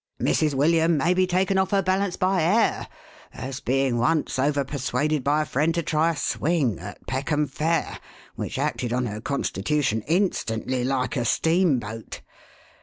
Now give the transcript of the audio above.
Mrs. William may be taken off her balance by Air ; as being once over persuaded by a friend to try a swing at Peckham Fair, which acted on her constitu tion instantly like a steam boat.